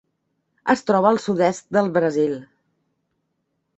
Es troba al sud-est del Brasil.